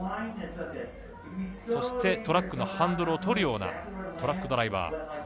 そして、トラックのハンドルをとるようなトラックドライバー。